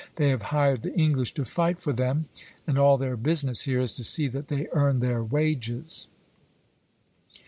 they have hired the English to fight for them, and all their business here is to see that they earn their wages."